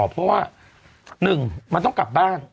เพราะว่า๑มันต้องกลับบ้าน